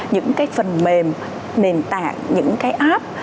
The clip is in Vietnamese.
những cái phần mềm nền tảng những cái app